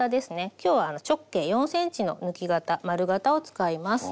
今日は直径４ｃｍの抜き型丸型を使います。